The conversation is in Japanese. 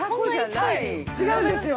◆違うんですよ。